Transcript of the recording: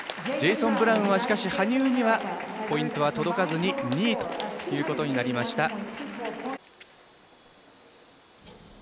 ジェイソン・ブラウンはしかし羽生にはポイントは届かずに２位ということになりました。